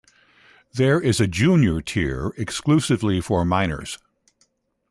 There is a Junior tier exclusively for minors.